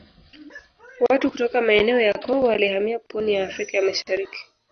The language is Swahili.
Watu kutoka maeneo ya Kongo walihamia pwani ya Afrika ya Mashariki